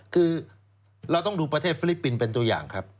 คือเราต้องดูประเทศฟิลิปปินส์เป็นตัวอย่างครับ